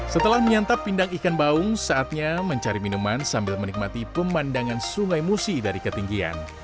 setelah menyantap pindang ikan baung saatnya mencari minuman sambil menikmati pemandangan sungai musi dari ketinggian